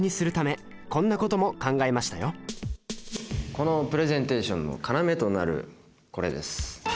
このプレゼンテーションの要となるこれです。